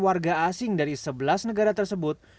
warga asing dari sebelas negara tersebut